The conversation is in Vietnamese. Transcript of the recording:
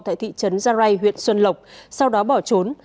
tại thị trấn gia rai huyện xuân lộc sau đó bỏ trốn